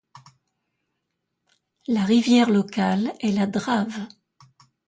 La rivière locale est la Drave.